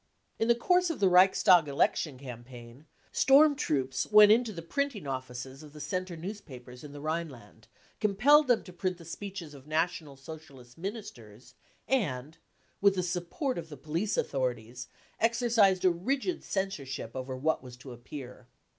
In the course of the Reichstag election campaign, storm troops went into the printing offices of the Centre newspapers in the Rhineland, compelled them to print the speeches of National Socialist Ministers, and, with the support of the police authorities, exercised a rigid censorship over what was to appear.